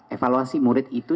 evaluasi murid itu di lulusan